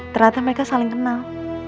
ternyata mereka saling kenal